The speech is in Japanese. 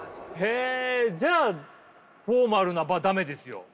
へえじゃあフォーマルな場駄目ですよ。